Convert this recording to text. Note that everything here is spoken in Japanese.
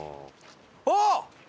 あっ！